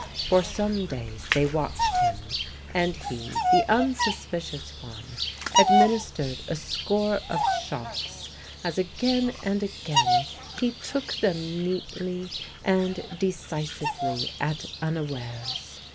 For some days they watched him; and he, the unsuspicious one, administered a score of shocks as again and again he took them neatly and decisively at unawares.